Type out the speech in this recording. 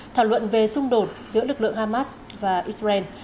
thảo luận về xung đột giữa lực lượng hamas và israel